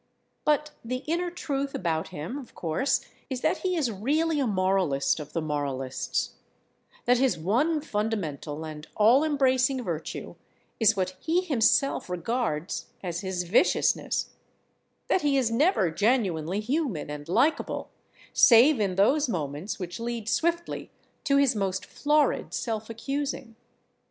But the inner truth about him, of course, is that he is really a moralist of the moralists—that his one fundamental and all embracing virtue is what he himself regards as his viciousness—that he is never genuinely human and likable save in those moments which lead swiftly to his most florid self accusing.